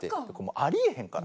あり得へんから。